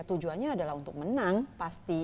tujuannya adalah untuk menang pasti